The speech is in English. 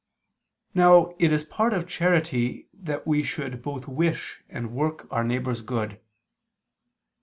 Now it is part of charity that we should both wish and work our neighbor's good.